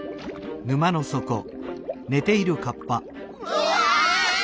うわ！